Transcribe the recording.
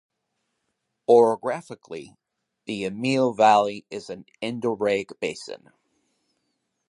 Orographically, the Emil Valley is an endorrheic basin.